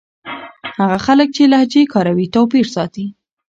هغه خلک چې لهجې کاروي توپير ساتي.